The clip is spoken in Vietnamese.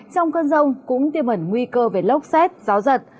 trong cơn rông cũng tiêm ẩn nguy cơ về lốc xét gió giật